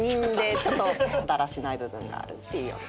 ちょっとだらしない部分があるっていうような。